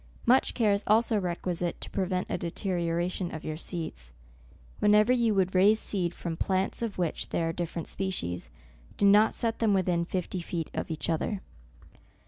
Much care is also requisite to prevent a deterioration of your seeds. Whenever you would raise seed from plants of which there are different species, do not set them within fifty feet of each other.